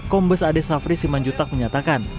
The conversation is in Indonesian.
kombes ade safri simanjutak menyatakan